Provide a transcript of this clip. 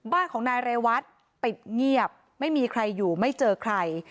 บ้านของนายเรวัตปิดเงียบไม่มีใครอยู่ไม่เจอใคร